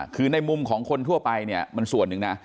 คือในมุมของคนทั่วไปเนี่ยมันส่วนหนึ่งนะ